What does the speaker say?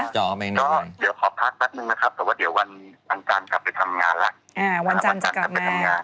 เดี๋ยวขอพักแป๊บนึงนะครับแต่ว่าเดี๋ยววันวันจันทร์กลับไปทำงานล่ะอ่าวันวันจันทร์จะกลับมา